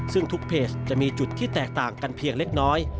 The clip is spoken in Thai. ซึ่งทุกเพจจะมีจุดที่แตกต่างกันเพียงเล็กน้อย